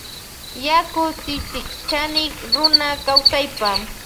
Yaku tiksichanik runa kawsaypa.